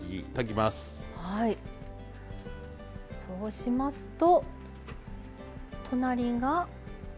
そうしますと隣が。